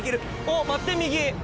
おっ待って右。